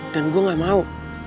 dan gue gak mau